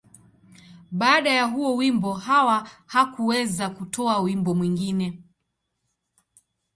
Baada ya huo wimbo, Hawa hakuweza kutoa wimbo mwingine.